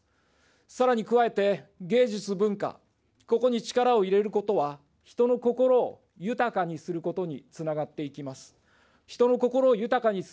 さらに加えて芸術、文化、ここに力を入れることは、人の心を豊かにすることにつながっていきます。